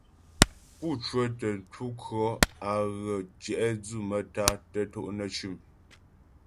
Pú cwətə ntu kʉɔ̌ á ghə tyɛ'dwʉ maə́tá'a tə to' nə́ cʉ̂m.